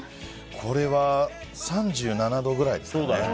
これは３７度くらいですかね。